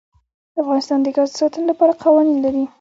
افغانستان د ګاز د ساتنې لپاره قوانین لري.